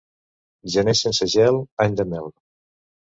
Gener sense gel, any de mel.